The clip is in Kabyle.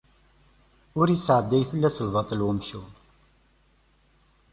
Ur isɛedday fell-as lbaṭel umcum.